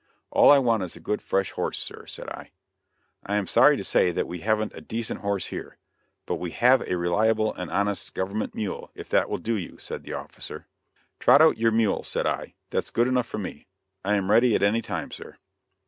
"All I want is a good fresh horse, sir," said I. "I am sorry to say that we haven't a decent horse here, but we have a reliable and honest government mule, if that will do you," said the officer. "Trot out your mule," said I, "that's good enough for me. I am ready at any time, sir."